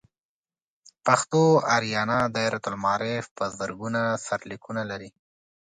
پښتو آریانا دایرة المعارف په زرګونه سرلیکونه لري.